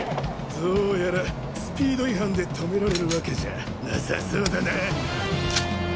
どうやらスピード違反で止められるワケじゃなさそうだな。